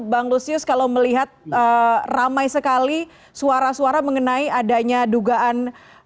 bang lusius kalau melihat ramai sekali suara suara mengenai adanya dugaan